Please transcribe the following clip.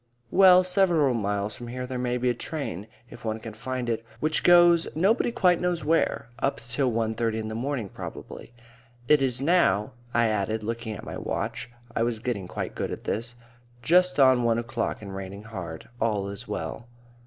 "Well, several miles from here there may be a tram, if one can find it, which goes nobody quite knows where up till one thirty in the morning probably. It is now," I added, looking at my watch (I was getting quite good at this), "just on one o'clock and raining hard. All is well."